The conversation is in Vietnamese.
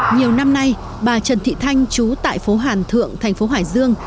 nhiều năm nay bà trần thị thanh chú tại phố hàn thượng thành phố hải dương